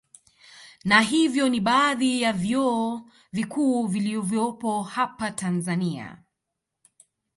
Na hivyo ni baadhi ya vyuo vikuu vilivyopo hapa Tanzania